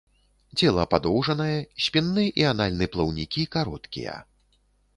Цела падоўжанае, спінны і анальны плаўнікі кароткія.